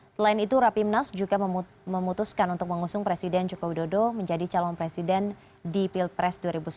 selain itu rapimnas juga memutuskan untuk mengusung presiden joko widodo menjadi calon presiden di pilpres dua ribu sembilan belas